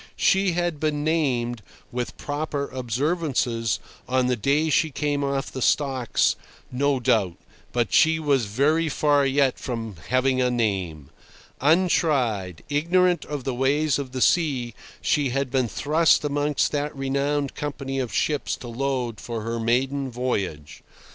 She had been named, with proper observances, on the day she came off the stocks, no doubt, but she was very far yet from "having a name." Untried, ignorant of the ways of the sea, she had been thrust amongst that renowned company of ships to load for her maiden voyage.